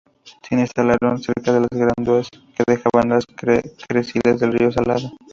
Se instalaron cerca de las aguadas que dejaban las crecidas del río Salado.